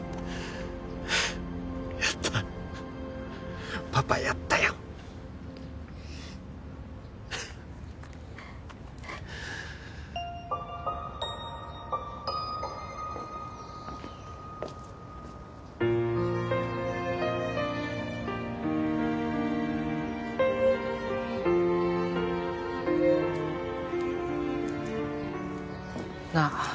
やったパパやったよなあ